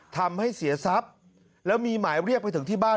ทำให้เสียทรัพย์แล้วมีหมายเรียกไปถึงที่บ้าน